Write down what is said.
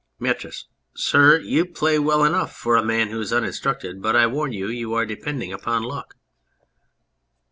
} METRIS. Sir, you play well enough for a man who is uninstructed, but I warn you you are depending upon luck.